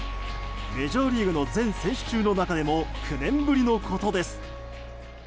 メジャーリーグの全選手の中でも９年ぶりのことです。